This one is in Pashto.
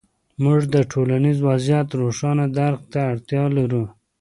موږ د ټولنیز وضعیت روښانه درک ته اړتیا لرو.